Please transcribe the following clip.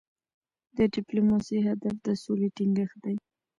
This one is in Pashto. د ډيپلوماسی هدف د سولې ټینګښت دی.